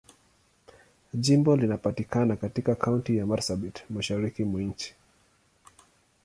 Jimbo linapatikana katika Kaunti ya Marsabit, Mashariki mwa nchi.